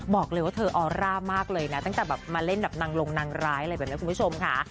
บอกเลยว่าเธอออร่ามากเลยนะตั้งแต่แบบมาเล่นแบบนางลงนางร้ายอะไรแบบนี้คุณผู้ชมค่ะ